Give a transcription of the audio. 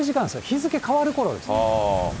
日付変わるころですね。